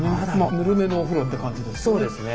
ぬるめのお風呂って感じですね。